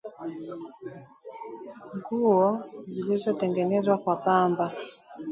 nguo zilizotengenezwa kwa pamba